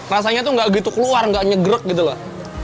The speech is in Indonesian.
rasanya tuh gak gitu keluar gak nyegrk gitu loh